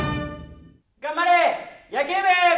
頑張れ野球部！